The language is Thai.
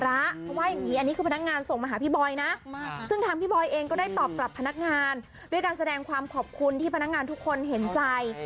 เพราะว่าอย่างนี้อันนี้คือพนักงานส่งมาหาพี่บอยนะซึ่งทางพี่บอยเองก็ได้ตอบกลับพนักงานด้วยการแสดงความขอบคุณที่พนักงานทุกคนเห็นใจ